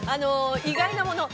意外なもの。